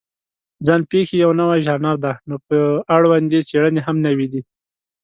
ځان پېښې یو نوی ژانر دی، نو په اړوند یې څېړنې هم نوې دي.